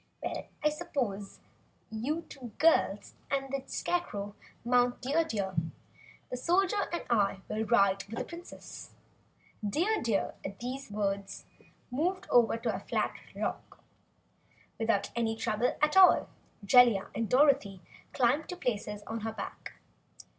"Now suppose you two girls and the Scarecrow mount Dear Deer, and the Soldier and I will ride with the Princess." Dear Deer, at the Wizard's words, moved over to a flat rock. Without any trouble at all, Jellia and Dorothy climbed to places on her back.